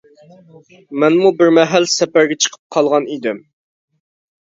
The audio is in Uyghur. مەنمۇ بىمەھەل سەپەرگە چىقىپ قالغان ئىدىم.